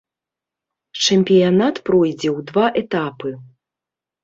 Чэмпіянат пройдзе ў два этапы.